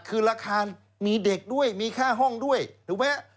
คือราคามีเด็กด้วยมีค่าห้องด้วยถูกไหม